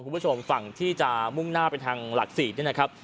คุณผู้ชมฝั่งที่จะมุ่งหน้าไปทางหลัก๔เนี่ยนะครับ